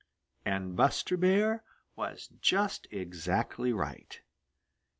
And Buster Bear was just exactly right.